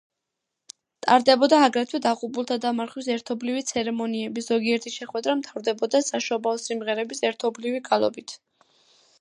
ტარდებოდა აგრეთვე დაღუპულთა დამარხვის ერთობლივი ცერემონიები, ზოგიერთი შეხვედრა მთავრდებოდა საშობაო სიმღერების ერთობლივი გალობით.